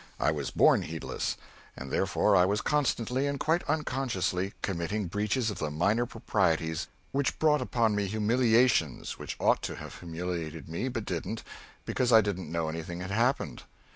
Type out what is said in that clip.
I was born heedless; and therefore I was constantly, and quite unconsciously, committing breaches of the minor proprieties, which brought upon me humiliations which ought to have humiliated me but didn't, because I didn't know anything had happened.